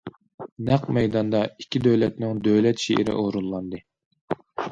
نەق مەيداندا ئىككى دۆلەتنىڭ دۆلەت شېئىرى ئورۇنلاندى.